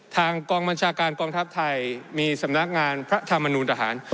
ทางกองบัญชาการกองทัพไทยมีสำนักงานพระธรรมนูลทหาร